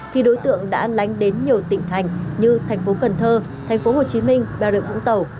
thì đối tượng đã lánh đến nhiều tỉnh thành như thành phố cần thơ thành phố hồ chí minh bà rịa vũng tàu